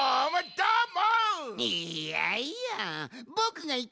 どーも！